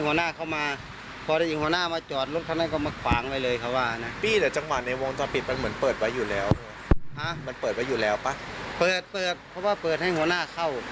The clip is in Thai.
มันเปิดไว้อยู่แล้วป่ะเปิดเปิดเพราะว่าเปิดให้หัวหน้าเข้า